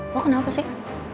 lo kenapa sih